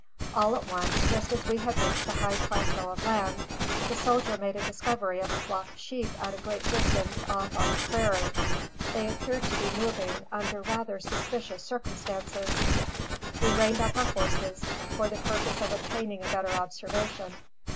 All at once, just as we had reached a high plateau of land, the soldier made the discovery of a flock of sheep at a great distance off on the prairie. They appeared to be moving under rather suspicious circumstances. We reined up our horses, for the purpose of obtaining a better observation.